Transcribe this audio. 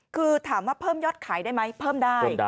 คือถามว่าเพิ่มยอดขายได้ไหมเพิ่มได้